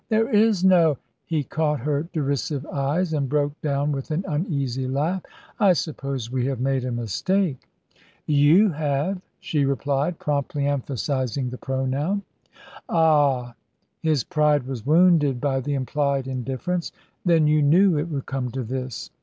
"There is no " He caught her derisive eyes, and broke down with an uneasy laugh. "I suppose we have made a mistake." "You have," she replied, promptly emphasising the pronoun. "Ah!" His pride was wounded by the implied indifference. "Then you knew it would come to this?"